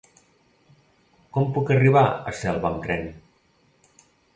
Com puc arribar a Selva amb tren?